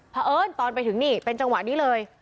เพราะเอิญตอนไปถึงนี่เป็นจังหวะนี้เลย